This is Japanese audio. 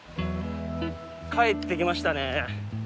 帰ってきましたね。